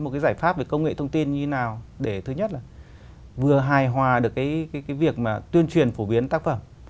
một cái giải pháp về công nghệ thông tin như thế nào để thứ nhất là vừa hài hòa được cái việc mà tuyên truyền phổ biến tác phẩm